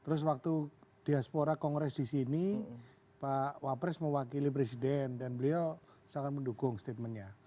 terus waktu diaspora kongres di sini pak wapres mewakili presiden dan beliau sangat mendukung statementnya